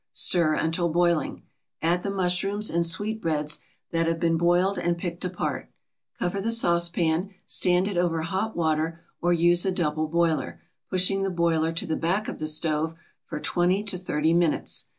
Stir until boiling, add the mushrooms and sweetbreads that have been boiled and picked apart. Cover the saucepan, stand it over hot water, or use a double boiler, pushing the boiler to the back of the stove for twenty to thirty minutes.